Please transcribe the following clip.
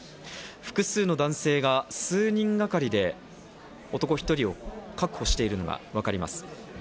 複数の男性が数人がかりで男１人を確保しているのがわかります。